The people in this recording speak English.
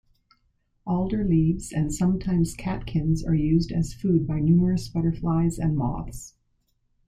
Alder leaves and sometimes catkins are used as food by numerous butterflies and moths.